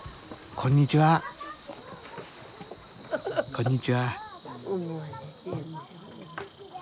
こんにちは。